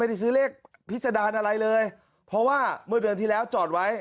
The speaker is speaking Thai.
ไม่ได้ซื้อเลขพิษดารอะไรเลยเพราะว่าเมื่อเดือนที่แล้วจอดไว้